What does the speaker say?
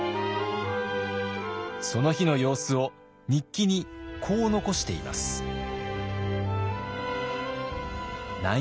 その日の様子を日記にこう残しています。